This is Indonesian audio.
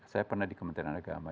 saya pernah di kementerian agama